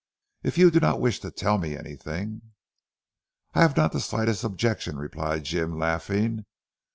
If you do not wish to tell me anything " "I have not the slightest objection," replied Jim laughing.